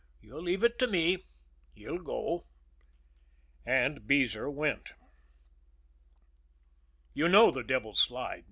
You leave it to me he'll go." And Beezer went. You know the Devil's Slide.